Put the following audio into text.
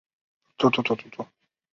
乾隆四十五年登庚子恩科进士。